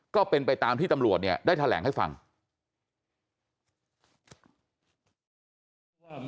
ก็เป็นไปตามที่ตำรวจเนี่ยได้แถลงให้ฟัง